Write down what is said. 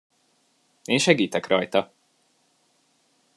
Én segítek rajta!